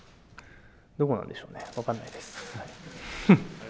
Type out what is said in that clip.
どこなんでしょうね、分かんないです。